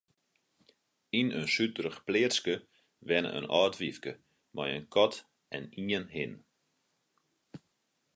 Yn in suterich pleatske wenne in âld wyfke mei in kat en ien hin.